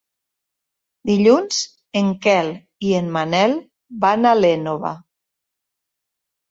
Dilluns en Quel i en Manel van a l'Énova.